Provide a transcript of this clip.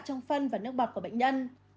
trong phân và nước bọc của bệnh nhân